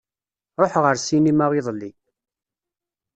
Ṛuḥeɣ ar ssinima iḍelli.